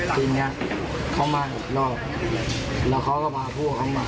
ทีนี้เขามาหกรอบแล้วเขาก็พาพวกเขามา